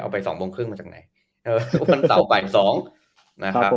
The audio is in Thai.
เอาไป๒โมงครึ่งมาจากไหนเออมันเตาไป๒นะครับ